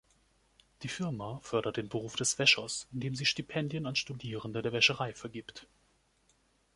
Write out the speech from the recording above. Die Firma fördert den Beruf des Wäschers, indem sie Stipendien an Studierende der Wäscherei vergibt.